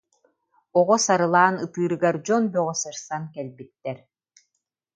Оҕо сарылаан ытыырыгар дьон бөҕө сырсан кэлбиттэр